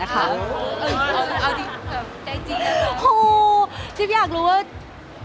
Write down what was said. อ๋อเอาที่ใจจริงแล้วค่ะ